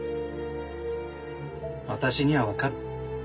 私には分かる。